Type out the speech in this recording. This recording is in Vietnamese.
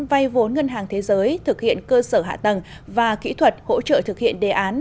vay vốn ngân hàng thế giới thực hiện cơ sở hạ tầng và kỹ thuật hỗ trợ thực hiện đề án